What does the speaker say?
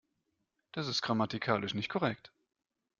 Das ist grammatikalisch nicht korrekt.